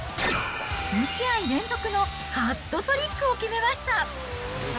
２試合連続のハットトリックを決めました。